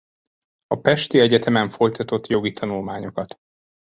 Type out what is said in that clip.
A pesti egyetemen folytatott jogi tanulmányokat.